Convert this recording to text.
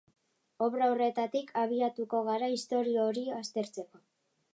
Obra horretatik abituko gara istorio hori aztertzeko.